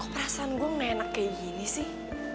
kok perasaan gue menenak kayak gini sih